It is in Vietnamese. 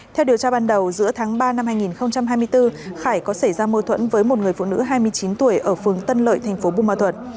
theo điều tra ban đầu giữa tháng ba năm hai nghìn hai mươi bốn khải có xảy ra mâu thuẫn với một người phụ nữ hai mươi chín tuổi ở phường tân lợi tp buôn ma thuật